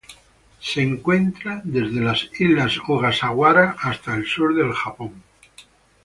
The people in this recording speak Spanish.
Se encuentra desde las islas Ogasawara hasta el sur del Japón.